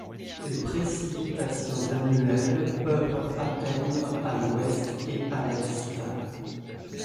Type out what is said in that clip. Les précipitations annuelles peuvent atteindre à l’ouest et à l’est.